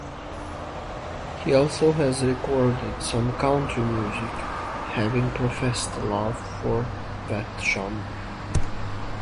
He also has recorded some country music, having professed a love for that genre.